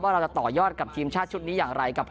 เราจะต่อยอดกับทีมชาติชุดนี้อย่างไรกับ